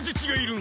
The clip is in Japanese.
ん？